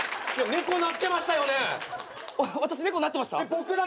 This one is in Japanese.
猫なってましたよね？